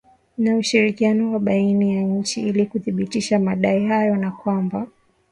na ushirikiano wa baina ya nchi ili kuthibitisha madai hayo na kwamba